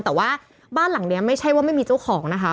แต่ว่าบ้านหลังนี้ไม่ใช่ว่าไม่มีเจ้าของนะคะ